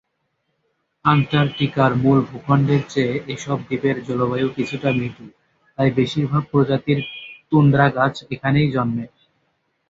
অ্যান্টার্কটিকার মূল ভূখণ্ডের চেয়ে এসব দ্বীপের জলবায়ু কিছুটা মৃদু, তাই বেশিরভাগ প্রজাতির তুন্দ্রা গাছ এখানেই জন্মে।